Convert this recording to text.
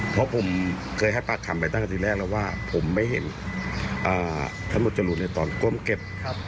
เพราะผมเคยให้ปากคำไปตั้งแต่ทีแรกแล้วว่าผมไม่เห็นตำรวจจรูนในตอนก้มเก็บ